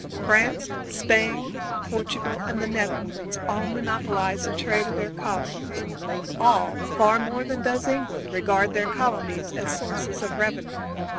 France, Spain, Portugal, and the Netherlands all monopolize the trade of their colonies; all, far more than does England, regard their colonies as sources of revenue.